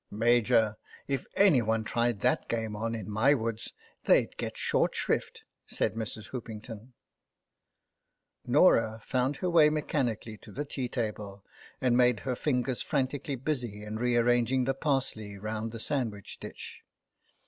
" Major, if any one tried that game on in my woods they'd get short shrift," said Mrs. Hoopington. Norah found her way mechanically to the tea table and made her fingers frantically busy in rearranging the parsley round the sandwich dish.